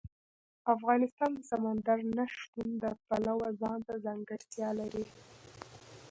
افغانستان د سمندر نه شتون د پلوه ځانته ځانګړتیا لري.